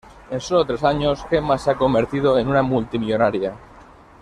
En solo tres años, Gemma se ha convertido en una multimillonaria.